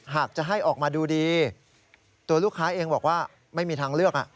หากจะให้ออกมาดูดีตัวลูกค้าเองบอกว่าไม่มีทางเลือก